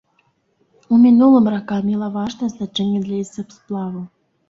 У мінулым рака мела важнае значэнне для лесасплаву.